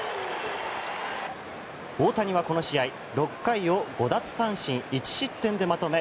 大谷はこの試合６回を５奪三振１失点でまとめ